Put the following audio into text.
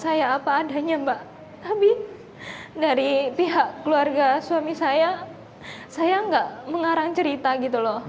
saya apa adanya mbak habib dari pihak keluarga suami saya saya enggak mengarang cerita gitu loh